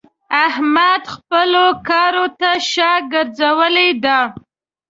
احمد خپلو کارو ته شا ګرځولې ده.